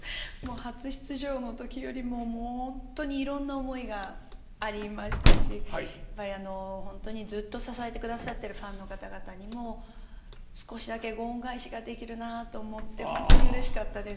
初出場の時よりももうほんとにいろんな思いがありましたしやっぱりずっと支えてくださってるファンの方々にも少しだけご恩返しができるなあと思ってほんとにうれしかったです。